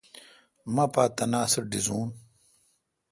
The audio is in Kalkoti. مہ پا تناس ڈیزون